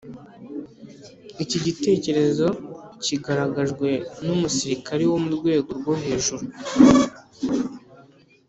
iki gitekerezo kigaragajwe n'umusirikari wo mu rwego rwo hejuru